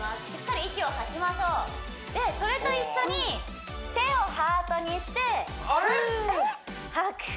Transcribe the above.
しっかり息を吐きましょうでそれと一緒に手をハートにしてあれっ！？